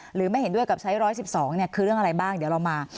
หรือไม่เห็นด้วยกับใช้๑๑๒คือเรื่องอะไรบ้างเดี๋ยวเรามา